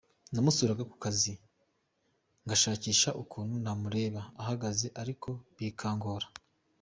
Namusuraga ku kazi ngashakisha ukuntu namureba ahagaze ariko bikangora.